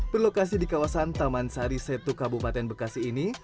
berlokasi di kawasan taman sari setu kabupaten bekasi ini